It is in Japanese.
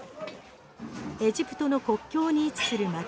エジプトの国境に位置する街